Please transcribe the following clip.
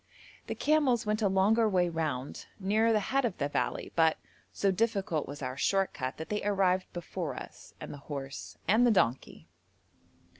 The camels went a longer way round, nearer the head of the valley, but, so difficult was our short cut that they arrived before us, and the horse, and the donkey.